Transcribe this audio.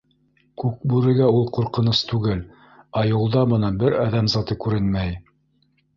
Күкбүрегә ул ҡурҡыныс түгел, ә юлда бына бер әҙәм заты күренмәй.